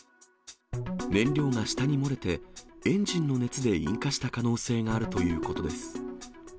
燃料が下に漏れて、エンジンの熱で引火した可能性があるということです。